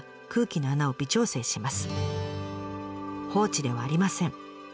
放置ではありません。